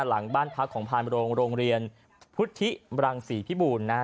หลังบ้านพักของพาลบรงโรงเรียนพุธิรังสี่พิบูรนา